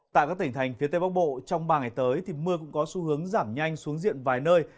tại các tỉnh thành phía tây bắc bộ trong ba ngày tới thì mưa cũng có xu hướng giảm nhanh xuống diện vài nơi